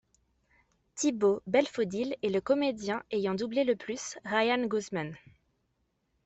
Thibaut Belfodil est le comédien ayant doublé le plus Ryan Guzman.